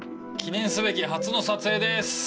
記念すべき初の撮影です